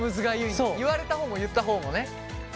言われた方も言った方もね。